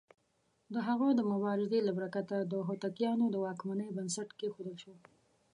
د هغه د مبارزې له برکته د هوتکيانو د واکمنۍ بنسټ کېښودل شو.